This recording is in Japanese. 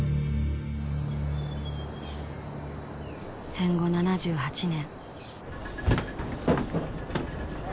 戦後７８年。